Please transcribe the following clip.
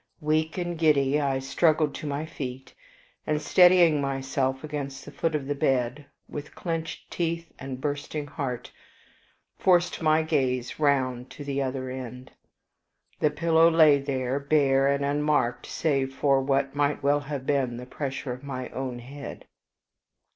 Weak and giddy, I struggled to my feet, and, steadying myself against the foot of the bed, with clenched teeth and bursting heart, forced my gaze round to the other end. The pillow lay there, bare and unmarked save for what might well have been the pressure of my own head.